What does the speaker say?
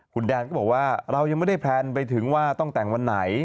คุณแดนก็บอกว่าเรายังไม่ได้แพลนไปถึงว่าต้องแต่งวันไหน